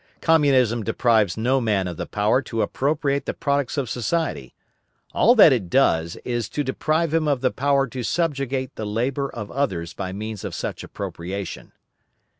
Communism deprives no man of the power to appropriate the products of society; all that it does is to deprive him of the power to subjugate the labour of others by means of such appropriation.